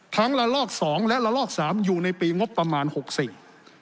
ละลอกสองและละลอกสามอยู่ในปีงบประมาณหกสี่